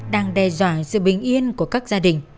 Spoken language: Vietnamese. đang đe dọa sự bình yên của các gia đình